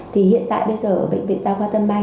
thì hiện tại bây giờ ở bệnh viện tàu quang tâm bang